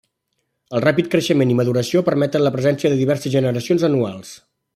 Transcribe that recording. El ràpid creixement i maduració permeten la presència de diverses generacions anuals.